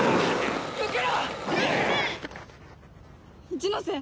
一ノ瀬！